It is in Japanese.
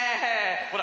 ほら！